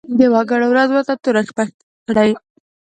د وګړو ورځ ورته توره شپه کړي.